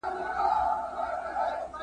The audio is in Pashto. چي دهقان ته په لاس ورنه سي تارونه ..